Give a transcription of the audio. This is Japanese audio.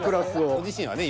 ご自身はね